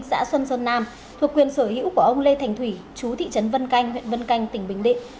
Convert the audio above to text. xã xuân sơn nam thuộc quyền sở hữu của ông lê thành thủy chú thị trấn vân canh huyện vân canh tỉnh bình định